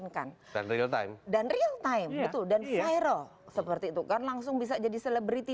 kalau mau k object